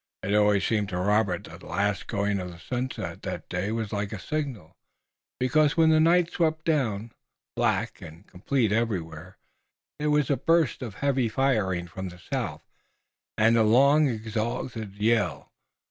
It always seemed to Robert that the last going of the sunset that day was like a signal, because, when the night swept down, black and complete everywhere, there was a burst of heavy firing from the south and a long exultant yell.